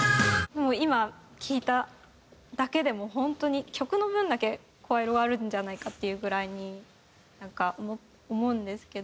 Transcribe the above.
もう今聴いただけでも本当に曲の分だけ声色があるんじゃないかっていうぐらいになんか思うんですけど。